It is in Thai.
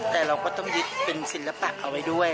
แต่เราก็ต้องยึดเป็นศิลปะเอาไว้ด้วย